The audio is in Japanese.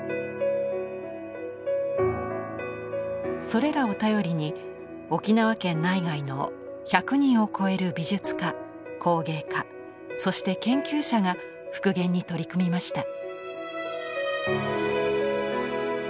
それらを頼りに沖縄県内外の１００人を超える美術家工芸家そして研究者が復元に取り組みました。